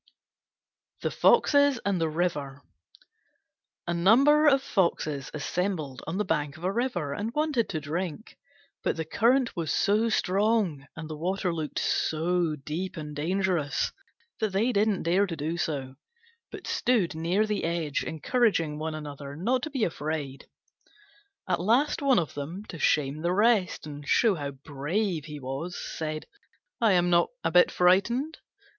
THE FOXES AND THE RIVER A number of Foxes assembled on the bank of a river and wanted to drink; but the current was so strong and the water looked so deep and dangerous that they didn't dare to do so, but stood near the edge encouraging one another not to be afraid. At last one of them, to shame the rest, and show how brave he was, said, "I am not a bit frightened!